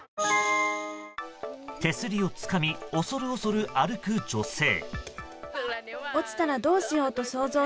手すりをつかみ恐る恐る歩く女性。